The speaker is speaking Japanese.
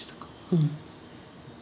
うん。